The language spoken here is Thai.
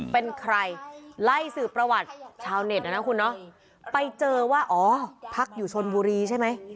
เป็นใครไล่สื่อประวัติชาวเน็ตนะนะคุณเนาะไปเจอว่าอ๋อพักอยู่ชนบุรีใช่ไหม